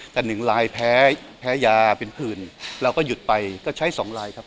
แต่๑ลายแพ้ยาเป็นผื่นแล้วก็หยุดไปก็ใช้๒ลายครับ